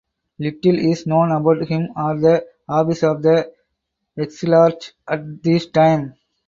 Little is known about him or the office of the exilarch at this time.